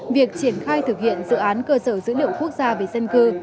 việc triển khai thực hiện dự án cơ sở dữ liệu quốc gia về dân cư